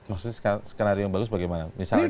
maksudnya skenario yang bagus bagaimana misalnya